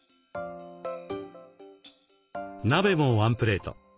鍋もワンプレート。